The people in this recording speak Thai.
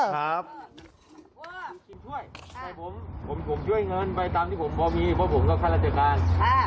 ช่วยแต่ผมช่วยเงินไปตามที่ผมพอมีเพราะผมก็ข้าราชการ